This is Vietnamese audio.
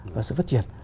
và sự phát triển